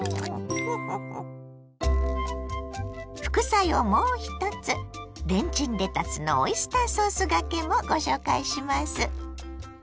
副菜をもう１つレンチンレタスのオイスターソースがけもご紹介します。